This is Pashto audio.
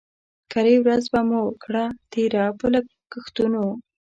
کرۍ ورځ به مو کړه تېره په ګښتونو